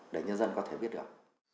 để nhân dân có thể biết được